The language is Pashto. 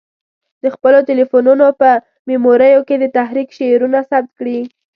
د خپلو تلیفونو په میموریو کې د تحریک شعرونه ثبت کړي.